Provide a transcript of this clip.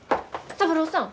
三郎さん